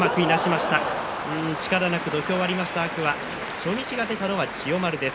初日が出たのは千代丸です。